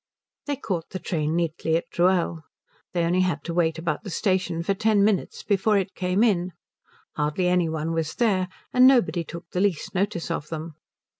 They caught the train neatly at Rühl. They only had to wait about the station for ten minutes before it came in. Hardly any one was there, and nobody took the least notice of them.